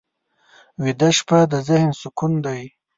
ویده شپه د ذهن سکوت دی